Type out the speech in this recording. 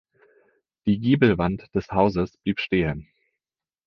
Die Giebelwand des Hauses blieb stehen.